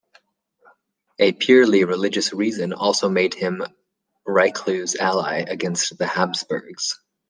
A purely religious reason also made him Richelieu's ally against the Habsburgs.